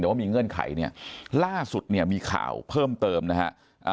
แต่ว่ามีเงื่อนไขล่าสุดมีข่าวเพิ่มเติมนะฮะ